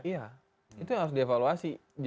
iya itu yang harus dievaluasi